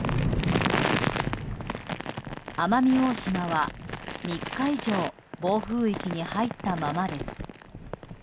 奄美大島は３日以上暴風域に入ったままです。